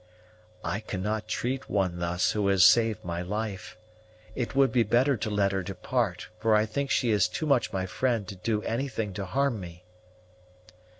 "I cannot treat one thus who has saved my life. It would be better to let her depart, for I think she is too much my friend to do anything to harm me."